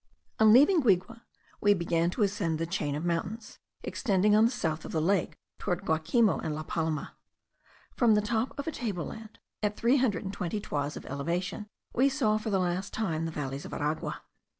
On leaving Guigue we began to ascend the chain of mountains, extending on the south of the lake towards Guacimo and La Palma. From the top of a table land, at three hundred and twenty toises of elevation, we saw for the last time the valleys of Aragua.